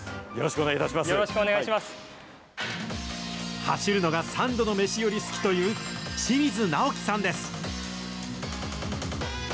走るのが三度の飯より好きという、志水直樹さんです。